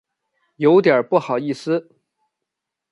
有点不好意思